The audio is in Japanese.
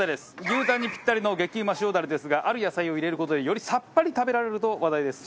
牛タンにピッタリの激うま塩ダレですがある野菜を入れる事でよりさっぱり食べられると話題です。